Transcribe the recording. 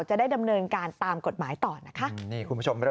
จะได้ดำเนินการตามกฎหมายต่อนะคะ